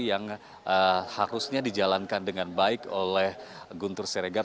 yang harusnya dijalankan dengan baik oleh guntur siregar